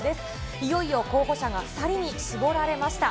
いよいよ候補者が２人に絞られました。